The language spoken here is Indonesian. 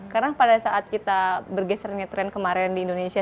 karena pada saat kita bergeseran tren kemarin di indonesia